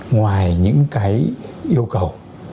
ngoài những cái yêu cầu